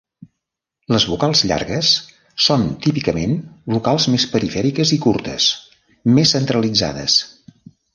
Les vocals llargues són típicament vocals més perifèriques i curtes més centralitzades.